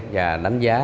và đánh giá